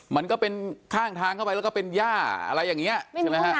มันก็เป็นข้างทางเข้าไปแล้วก็เป็นย่าอะไรอย่างนี้ใช่ไหมฮะ